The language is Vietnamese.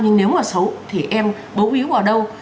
nhưng nếu mà xấu thì em bấu ý vào đâu